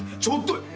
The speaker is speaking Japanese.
ちょっと！